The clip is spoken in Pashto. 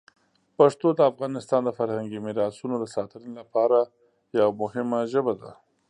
پښتو د افغانستان د فرهنګي میراتونو د ساتنې لپاره یوه مهمه ژبه ده.